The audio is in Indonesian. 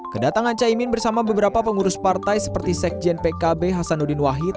kedatangan caimin bersama beberapa pengurus partai seperti sekjen pkb hasanuddin wahid